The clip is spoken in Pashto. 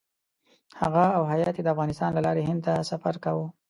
هغه او هیات یې د افغانستان له لارې هند ته سفر کاوه.